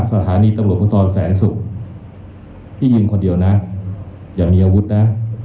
สถานีตำรวจภูทรแสนศุกร์พี่ยืนคนเดียวนะอย่ามีอาวุธนะ